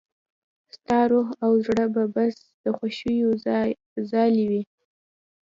ستا روح او زړه به بس د خوښيو ځالې وي.